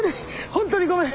ホントにごめん。